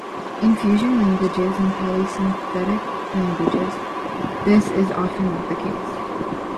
In fusional languages and polysynthetic languages, this is often not the case.